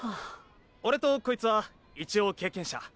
俺とこいつは一応経験者。